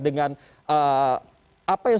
dengan apa yang